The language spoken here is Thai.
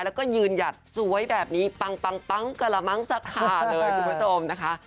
แล้วก็ยืนหยัดสวยแบบนี้ปังกระมั้งสาขาเลยคุณผู้ชมนะคะ